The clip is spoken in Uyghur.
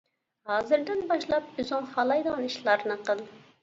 ھازىردىن باشلاپ ئۆزۈڭ خالايدىغان ئىشلارنى قىل.